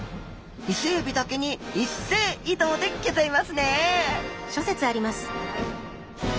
イセエビだけに一斉移動でギョざいますね！